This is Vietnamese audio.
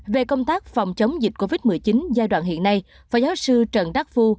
về công tác phòng chống dịch covid một mươi chín giai đoạn hiện nay phó giáo sư trần đắc phu